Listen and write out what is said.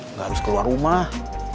nggak harus keluar rumah